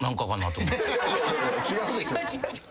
違う違う。